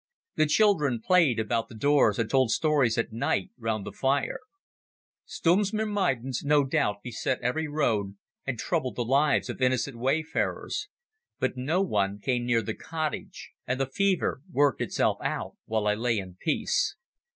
The children played about the doors and told stories at night round the fire. Stumm's myrmidons no doubt beset every road and troubled the lives of innocent wayfarers. But no one came near the cottage, and the fever worked itself out while I lay in peace.